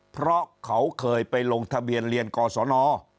เพราะเขาเคยไปลงทะเบียนเรียนกศน